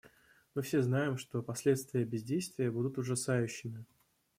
Мы все знаем, что последствия бездействия будут ужасающими.